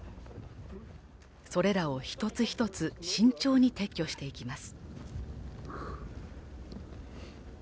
それらを一つ一つ慎重に撤去していきます。